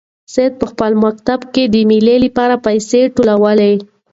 سعید په خپل مکتب کې د مېلې لپاره پیسې ټولولې.